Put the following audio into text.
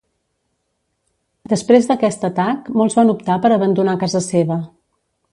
Després d’aquest atac, molts van optar per abandonar casa seva.